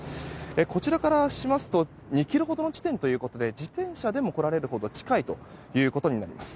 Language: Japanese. こちらからしますと２ｋｍほどの地点ということで自転車でも来られるほど近いということです。